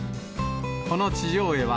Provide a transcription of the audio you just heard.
この地上絵は、